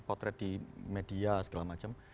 potret di media segala macam